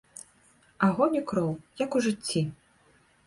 Агонь і кроў, як у жыцці.